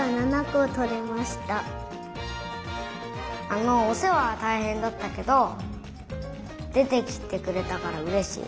あのおせわはたいへんだったけどでてきてくれたからうれしい。